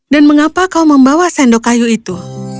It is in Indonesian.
dan mengapa kau membawa sendok kayu itu